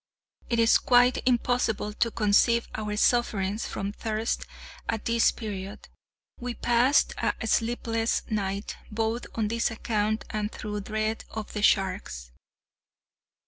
It is quite impossible to conceive our sufferings from thirst at this period. We passed a sleepless night, both on this account and through dread of the sharks.